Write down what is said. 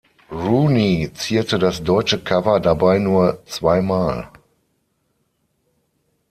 Rooney zierte das deutsche Cover dabei nur zweimal.